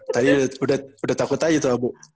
tadi udah takut aja tuh abu